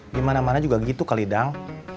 di mana mana juga gitu kalidang